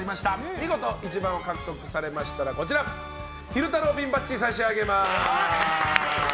見事１番を獲得されましたら昼太郎ピンバッジを差し上げます。